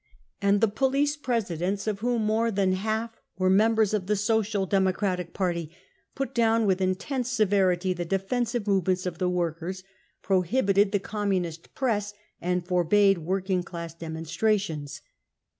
And the police presidents, of whom more 'than half were members of the Social Democratic Party, put down with intense severity the defensive movements of the workers, prohibited the Communist Press and forbade working class demonstrations.